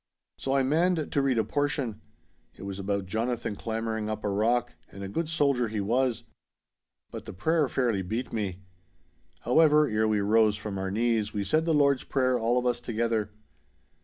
So I manned to read a portion. It was about Jonathan clambering up a rock (and a good soldier he was). But the prayer fairly beat me. However, ere we rose from our knees we said the Lord's prayer all of us together.